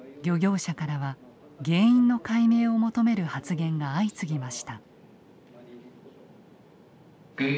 漁業者からは原因の解明を求める発言が相次ぎました。